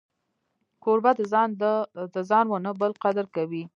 کوربه د ځان و نه بل قدر کوي.